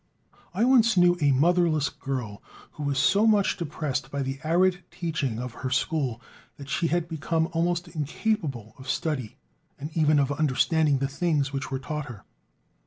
I once knew a motherless girl, who was so much depressed by the arid teaching of her school, that she had become almost incapable of study and even of understanding the things which were taught her.